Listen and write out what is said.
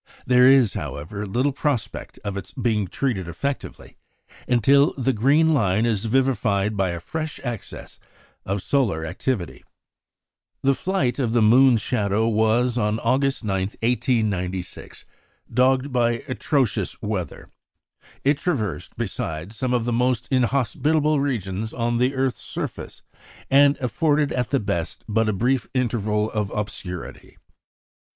There is, however, little prospect of its being treated effectively until the green line is vivified by a fresh access of solar activity. The flight of the moon's shadow was, on August 9, 1896, dogged by atrocious weather. It traversed, besides, some of the most inhospitable regions on the earth's surface, and afforded, at the best, but a brief interval of obscurity.